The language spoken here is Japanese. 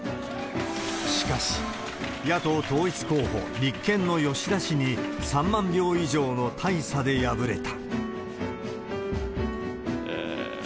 しかし、野党統一候補、立憲の吉田氏に３万票以上の大差で敗れた。